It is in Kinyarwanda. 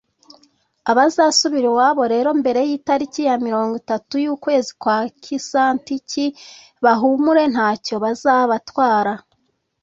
abazasubira iwabo rero mbere y'itariki ya mirongo itatu y'ukwezi kwa kisantiki, bahumure nta cyo bazabatwara